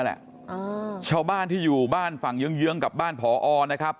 แหละชาวบ้านที่อยู่บ้านฝั่งเยื้องเยื้องกับบ้านผอนะครับ